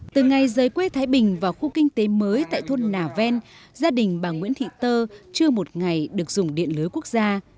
từ ngày rời quê thái bình vào khu kinh tế mới tại thôn nà ven gia đình bà nguyễn thị tơ chưa một ngày được dùng điện lưới quốc gia